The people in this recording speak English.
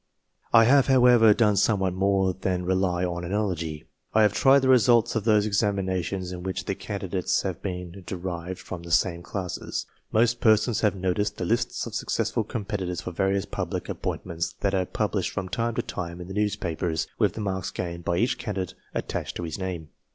I have, however, done somewhat more than rely on analogy, by discussing the results of those examinations in which the candidates had been derived from the same classes. Most persons have noticed the lists of successful competitors for various public appointments that are published from time to time in the newspapers, with the marks gained by each candidate attached to his name.